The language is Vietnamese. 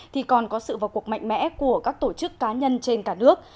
thì còn có sự vào cuộc mạnh mẽ của các tổ chức cá nhân trên cả nước